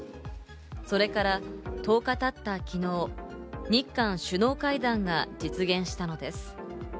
それから１０日経った昨日、日韓首脳会談が実現したのです。